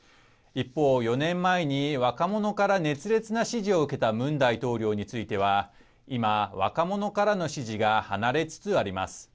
一方、４年前に若者から熱烈な支持を受けたムン大統領については今、若者からの支持が離れつつあります。